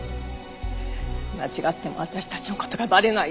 間違っても私たちの事がバレないように